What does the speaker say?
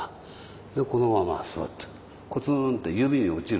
でこのままフッとコツンと指に落ちる。